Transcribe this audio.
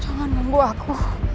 jangan ganggu aku